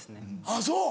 あっそう。